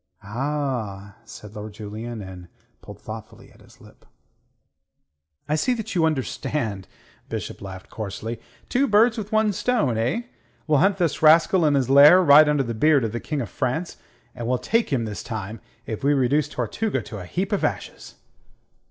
"Ah!" said Lord Julian, and he pulled thoughtfully at his lip. "I see that you understand," Bishop laughed coarsely. "Two birds with one stone, eh? We'll hunt this rascal in his lair, right under the beard of the King of France, and we'll take him this time, if we reduce Tortuga to a heap of ashes."